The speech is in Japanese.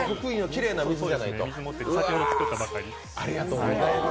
先ほど作ったばかりです。